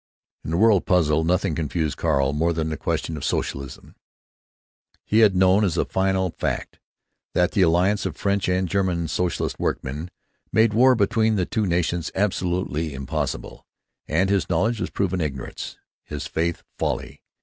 In the world puzzle nothing confused Carl more than the question of socialism. He had known as a final fact that the alliance of French and German socialist workmen made war between the two nations absolutely impossible—and his knowledge was proven ignorance, his faith folly.